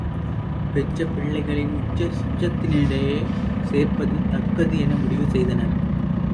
பெற்ற பிள்ளைகளை உற்ற சுற்றத்தினிடையே சேர்ப்பது தக்கது என முடிவு செய்தனர்.